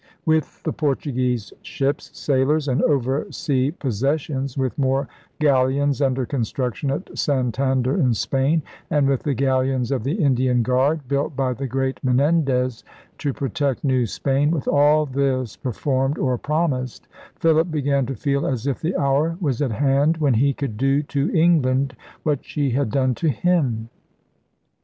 With the Portuguese ships, sailors, and oversea posses sions, with more galleons under construction at Santander in Spain, and with the galleons of the Indian Guard built by the great Menendez to pro tect New Spain: with all this performed or prom ised, Philip began to feel as if the hour was at hand when he could do to England what she had done to him.